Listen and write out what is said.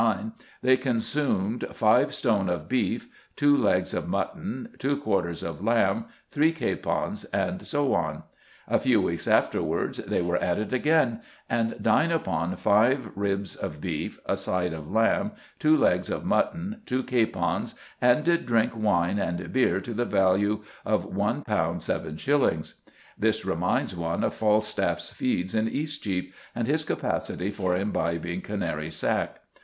On April 26, 1629, they consumed "5 stone of beefe, 2 legges of mutton, 2 quarters of lamb, 3 capons," and so on. A few weeks afterwards they are at it again and "dine upon 5 ribbs of beef, a side of lamb, 2 legges of mutton, 2 capons; and did drink wine and beer to the value of £l:7s." This reminds one of Falstaff's feeds in Eastcheap and his capacity for imbibing Canary sack.